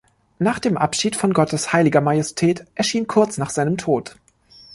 Nach dem Abschied von Gottes heiliger Majestät" erschien kurz nach seinem Tod.